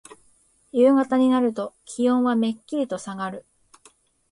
夕方になると気温はめっきりとさがる。